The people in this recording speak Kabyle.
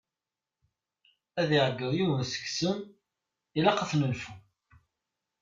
Ad d-iɛegeḍ yiwen seg-sen: ilaq ad t-nenfu!